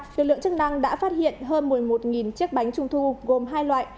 lực lượng chức năng đã phát hiện hơn một mươi một chiếc bánh trung thu gồm hai loại